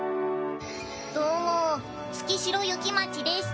どうも月代雪待です。